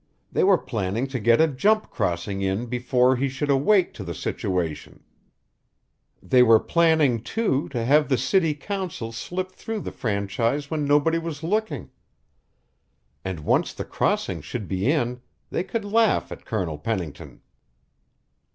They were planning to get a jump crossing in before he should awake to the situation; they were planning, too, to have the city council slip through the franchise when nobody was looking, and once the crossing should be in, they could laugh at Colonel Pennington!